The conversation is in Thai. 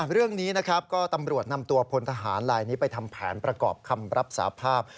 เรื่องนี้นะครับก็ตำรวจนำตัวพลทหารลายนี้ไปทำแผนประกอบคำรับสาภาพ